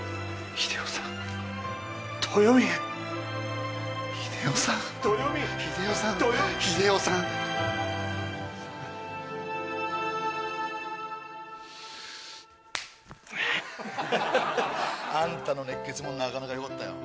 ・英男さん・・豊美・・英男さん・・豊美・あんたの熱血もなかなかよかったよ。